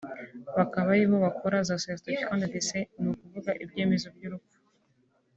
bakaba aribo bakora za ceriticat de deces ni ukuvuga ibyemezo by’ urupfu